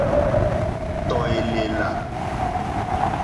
Tɔ̀ èlèlà.